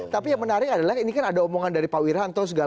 tapi yang menarik adalah ini kan ada omongan dari pak wiranto